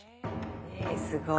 えすごい。